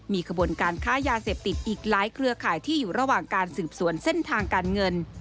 มีขบวนการค้ายาเสพติดอีกหลายเครือข่ายที่อยู่ระหว่างการสืบสวนเส้นทางการเงิน